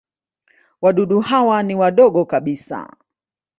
Wadudu hawa ni wadogo kabisa.